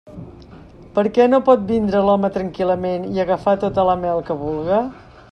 Per què no pot vindre l'home tranquil·lament i agafar tota la mel que vulga?